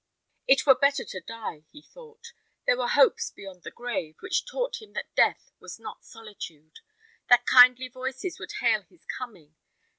It were better to die, he thought. There were hopes beyond the grave, which taught him that death was not solitude. That kindly voices would hail his coming.